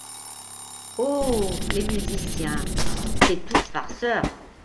Oh ! les musiciens ! c’est tous farceurs !…